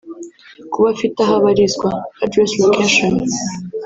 kuba afite aho abarizwa (Adress Location )